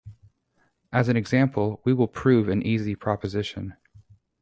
As an example, we will prove an easy proposition.